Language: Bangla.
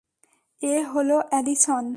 এ হলো অ্যালিসন।